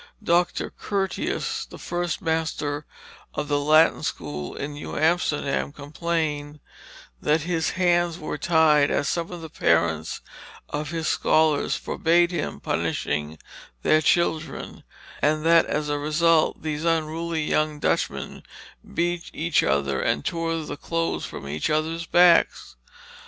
Dr. Curtius, the first master of the Latin School in New Amsterdam, complained that "his hands were tied as some of the parents of his scholars forbade him punishing their children," and that as a result these unruly young Dutchmen "beat each other and tore the clothes from each other's backs."